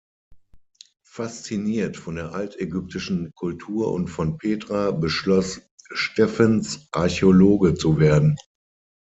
Fasziniert von der altägyptischen Kultur und von Petra, beschloss Stephens, Archäologe zu werden.